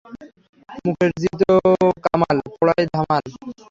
মুকেশ জি তো কামাল, - পুড়াই ধামাল।